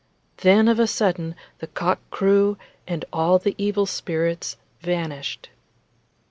Then of a sudden the cock crew, and all the evil spirits vanished.